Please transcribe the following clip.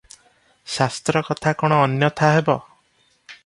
ଶାସ୍ତ୍ର କଥା କଣ ଅନ୍ୟଥା ହେବ?